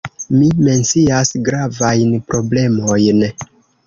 Mi mencias gravajn problemojn.